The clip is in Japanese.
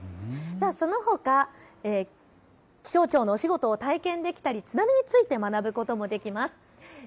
そのほか、気象庁のお仕事を体験できたり津波について学ぶこともできます。